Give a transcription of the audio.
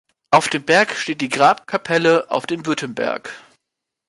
Auf dem Berg steht die Grabkapelle auf dem Württemberg.